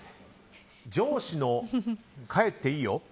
上司の「帰っていいよ」